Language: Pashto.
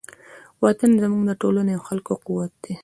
وطن زموږ د ټولنې او خلکو قوت دی.